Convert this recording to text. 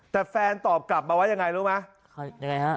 แต่แฟนตอบกลับมาไว้ยังไงรู้ไหม